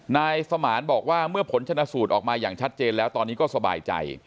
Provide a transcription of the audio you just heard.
นายสมานบอกว่าเมื่อผลชนะสูตรออกมาอย่างชัดเจนแล้วตอนนี้ก็สบายใจ